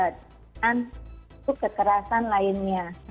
dan itu kekerasan lainnya